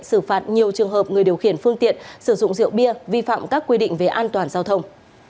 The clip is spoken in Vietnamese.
xử phạt nhiều trường hợp người điều khiển phương tiện sử dụng rượu bia vi phạm các quy định về an toàn giao thông